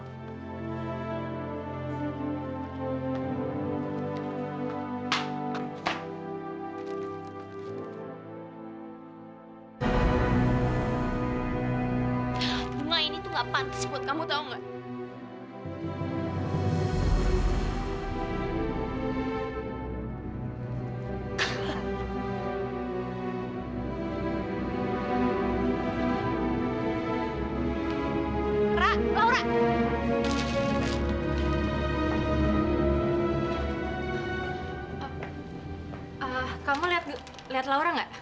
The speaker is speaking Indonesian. bunga ini tuh gak pantas buat kamu tau gak